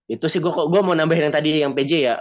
itu sih kok gua mau nambahin yang tadi yang pj ya